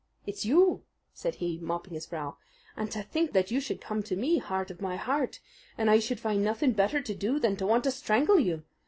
"It's you!" said he, mopping his brow. "And to think that you should come to me, heart of my heart, and I should find nothing better to do than to want to strangle you!